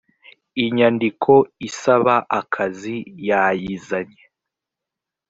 inyandiko isaba akazi yayizanye.